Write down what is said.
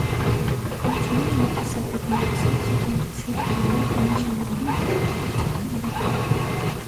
Գյուղացիները մի կիսավայրենացած ու կիսակենդանի գոմեշ են գտնում ճահճուտներում։